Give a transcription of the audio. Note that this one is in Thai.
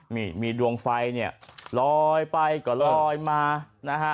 นี่มีดวงไฟเนี่ยลอยไปก็ลอยมานะฮะ